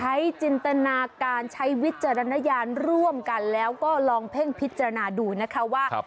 จินตนาการใช้วิจารณญาณร่วมกันแล้วก็ลองเพ่งพิจารณาดูนะคะว่า